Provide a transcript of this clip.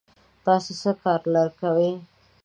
تاسې څه کار کوی؟